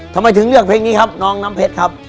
ทำไมถึงเลือกเพลงนี้ครับน้องน้ำเพชรครับ